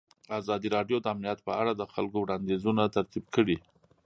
ازادي راډیو د امنیت په اړه د خلکو وړاندیزونه ترتیب کړي.